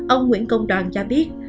ông nguyễn công đoàn cho biết